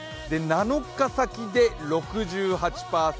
７日先で６８％。